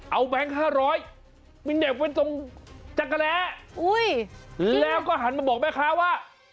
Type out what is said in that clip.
เอาแบงค์๕๐๐มันเดินไปตรงจักรแหลแล้วก็หันมาบอกแม่ค้าว่า